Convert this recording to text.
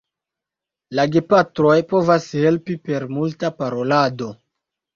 La gepatroj povas helpi per multa parolado.